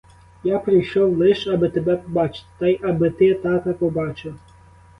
Я прийшов лиш, аби тебе побачити, та й аби ти тата побачив!